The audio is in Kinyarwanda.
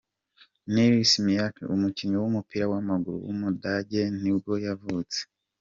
Nils Miatke, umukinnyi w’umupira w’amaguru w’umudage nibwo yavutse.